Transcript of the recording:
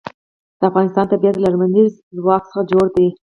د افغانستان طبیعت له لمریز ځواک څخه جوړ شوی دی.